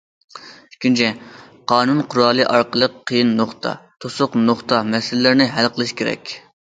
ئىككىنچى، قانۇن قورالى ئارقىلىق قىيىن نۇقتا، توسۇق نۇقتا مەسىلىلىرىنى ھەل قىلىش كېرەك.